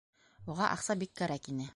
Уға аҡса бик кәрәк ине.